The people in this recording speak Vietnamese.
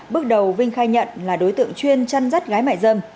bước đầu vinh khai nhận là đối tượng chuyên chăn rắt gái mại dâm